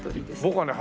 僕はね